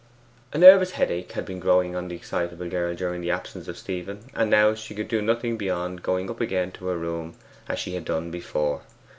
A nervous headache had been growing on the excitable girl during the absence of Stephen, and now she could do nothing beyond going up again to her room as she had done before.